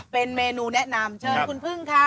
เป็นเมนูแนะนำเชิญคุณพึ่งค่ะ